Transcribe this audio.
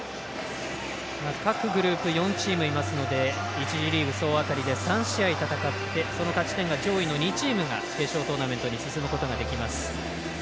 各グループ４チームいますので１次リーグ総当たりで３試合戦ってその勝ち点が上位の２チームが決勝トーナメントに進むことができます。